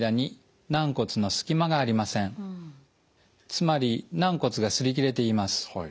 つまり軟骨がすり切れています。